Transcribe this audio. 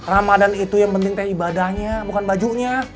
ramadhan itu yang penting kayak ibadahnya bukan bajunya